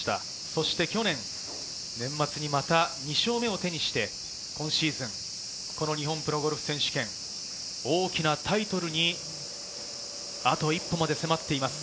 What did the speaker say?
そして去年、年末にまた２勝目を手にして、今シーズン、日本プロゴルフ選手権、大きなタイトルにあと一歩まで迫っています。